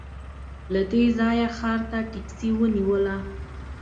له دې ځايه ښار ته ټکسي ونیوله.